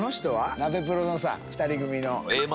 ナベプロのさ２人組の。